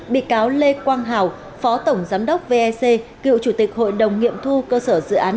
bị cáo lê quang hào phó tổng giám đốc vec cựu chủ tịch hội đồng nghiệm thu cơ sở dự án